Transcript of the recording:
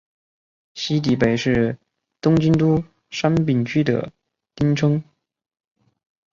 西荻北是东京都杉并区的町名。